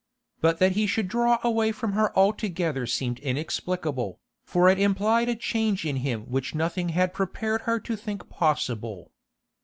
But that he should draw away from her altogether seemed inexplicable, for it implied a change in him which nothing had prepared her to think possible.